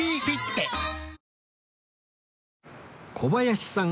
小林さん